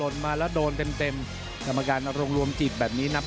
กำลังงามเลยนะครับ